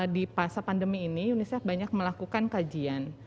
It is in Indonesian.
di masa pandemi ini unicef banyak melakukan kajian